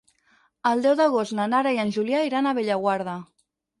El deu d'agost na Nara i en Julià iran a Bellaguarda.